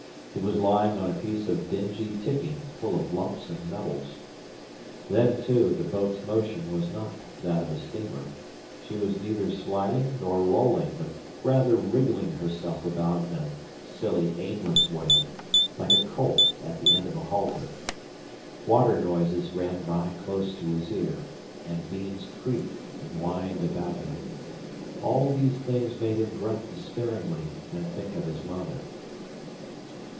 He was lying on a piece of dingy ticking full of lumps and nubbles. Then, too, the boat's motion was not that of a steamer. She was neither sliding nor rolling, but rather wriggling herself about in a silly, aimless way, like a colt at the end of a halter. Water noises ran by close to his ear, and beams creaked and whined about him. All these things made him grunt despairingly and think of his mother.